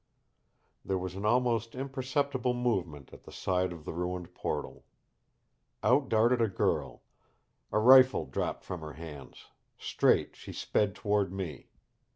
There was an almost imperceptible movement at the side of the ruined portal. Out darted a girl. A rifle dropped from her hands. Straight she sped toward me.